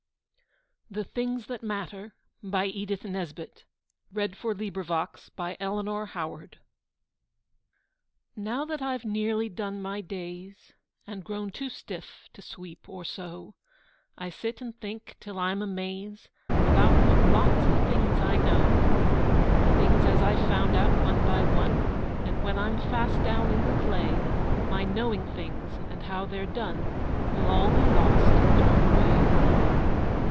NEW LOVE DEATH IN MEMORY OF SARETTA DEAKIN A PARTING I. THE THINGS THAT MATTER. NOW that I've nearly done my days, And grown too stiff to sweep or sew, I sit and think, till I'm amaze, About what lots of things I know: Things as I've found out one by one And when I'm fast down in the clay, My knowing things and how they're done Will all be lost and thrown away.